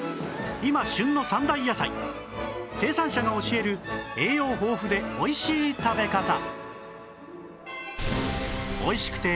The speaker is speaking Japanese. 今旬の３大野菜生産者が教える栄養豊富でおいしい食べ方